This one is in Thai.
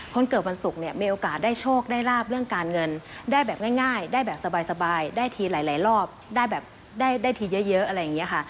คนเกิดวันศุกร์เนี่ยมีโอกาสได้โชคได้ลาบเรื่องการเงินได้แบบง่ายได้แบบสบายได้ทีหลายรอบได้แบบได้ทีเยอะอะไรอย่างนี้ค่ะ